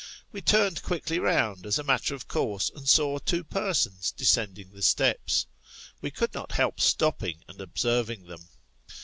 We turned quickly round, as a matter of course, and saw two persons descending the steps. We could not help stopping and observing them.